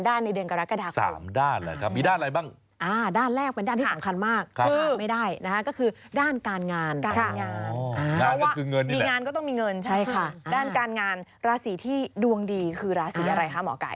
การงานเพราะว่ามีงานก็ต้องมีเงินใช่ค่ะด้านการงานราศีที่ดวงดีคือราศีอะไรคะหมอไก่